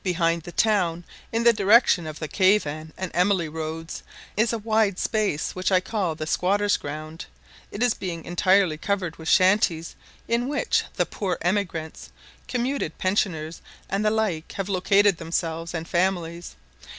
Behind the town, in the direction of the Cavan and Emily roads, is a wide space which I call the "squatter's ground," it being entirely covered with shanties, in which the poor emigrants, commuted pensioners, and the like, have located themselves and families.